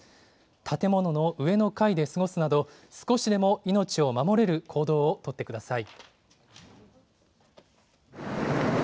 建物の上の階で過ごすなど、少しでも命を守れる行動を取ってください。